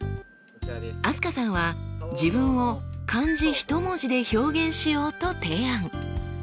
飛鳥さんは自分を漢字ひと文字で表現しようと提案。